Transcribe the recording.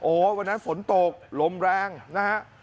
โอ้ววันนั้นฝนตกลมแรงนะครับ